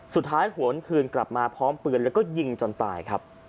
สุดท้ายหวนคืนกลับมาพร้อมเปลือนแล้วก็ยิงจนตายครับ